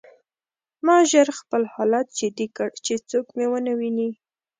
ما ژر خپل حالت جدي کړ چې څوک مې ونه ویني